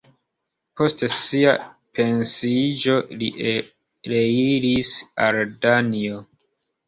Post sia pensiiĝo li reiris al Danio.